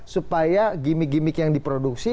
supaya gimik gimik yang diproduksi